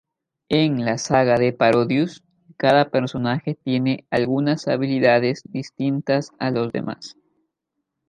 En la saga de "Parodius", cada personaje tiene algunas habilidades distintas a los demás.